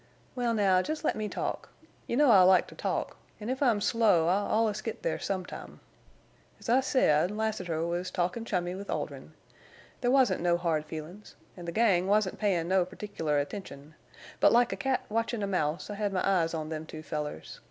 Wal, now, jest let me talk. You know I like to talk, an' if I'm slow I allus git there sometime. As I said, Lassiter was talkie' chummy with Oldrin'. There wasn't no hard feelin's. An' the gang wasn't payin' no pertic'lar attention. But like a cat watchin' a mouse I hed my eyes on them two fellers.